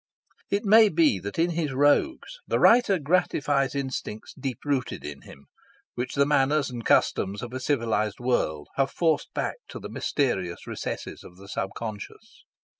It may be that in his rogues the writer gratifies instincts deep rooted in him, which the manners and customs of a civilised world have forced back to the mysterious recesses of the subconscious.